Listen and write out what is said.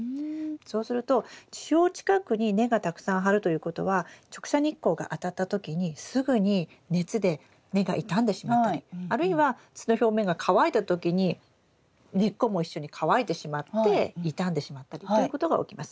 そうすると地表近くに根がたくさん張るということは直射日光があたった時にすぐに熱で根が傷んでしまったりあるいは土の表面が乾いた時に根っこも一緒に乾いてしまって傷んでしまったりということが起きます。